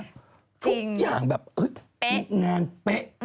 จริงเป๊ะทุกอย่างแบบที่งานเป๊ะ